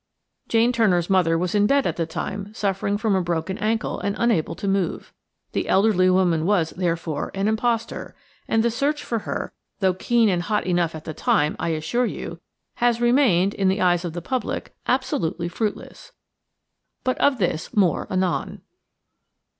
Jane Turner's mother was in bed at the time suffering from a broken ankle and unable to move. The elderly woman was, therefore, an impostor, and the search after her–though keen and hot enough at the time, I assure you–has remained, in the eyes of the public, absolutely fruitless. But of this more anon.